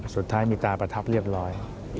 สุดท้ายมีตาประทับเรียบร้อย